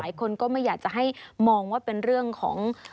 หลายคนก็ไม่อยากจะให้มองว่าเป็นเรื่องของ